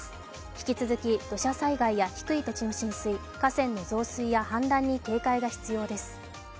引き続き土砂災害や低い土地の浸水、河川の増水や氾濫に警戒が必要です。